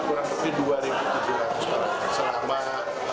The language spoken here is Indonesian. kurang lebih dua tujuh ratus orang